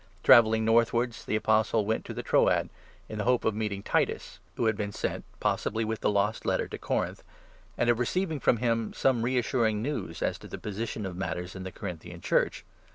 Travelling north wards, the Apostle went to the Troad, in the hope of meeting Titus (who had been sent, possibly with the ' Lost Letter,' to Corinth), and of receiving from him some re assuring news as to the position of matters in the Corinthian Church.